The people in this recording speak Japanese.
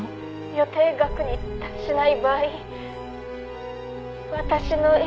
「予定額に達しない場合私の命はない」